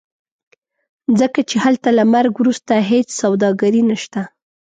ځکه چې هلته له مرګ وروسته هېڅ سوداګري نشته.